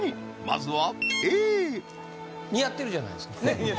まずはＡ似合ってるじゃないですかねえ